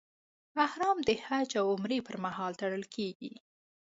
احرام د حج او عمرې پر مهال تړل کېږي.